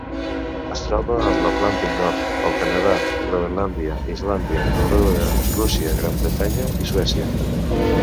Es troba a l'Atlàntic nord: el Canadà, Groenlàndia, Islàndia, Noruega, Rússia, Gran Bretanya i Suècia.